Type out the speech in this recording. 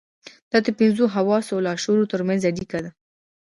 دا د پنځو حواسو او لاشعور ترمنځ اړيکه ده.